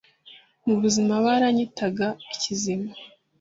Mu buzima baranyitaga ikizima.